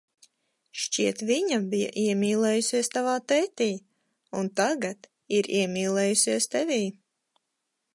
Šķiet, viņa bija iemīlējusies tavā tētī un tagad ir iemīlējusies tevī.